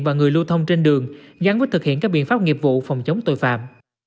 và người lưu thông trên đường gián quyết thực hiện các biện pháp nghiệp vụ phòng chống tội phạm